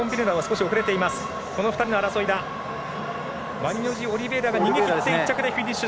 マリニョジオリベイラが逃げ切って１着でフィニッシュ。